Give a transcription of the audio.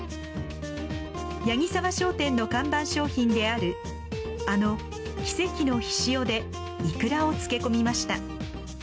八木澤商店の看板商品であるあの奇跡の醤でイクラを漬け込みました。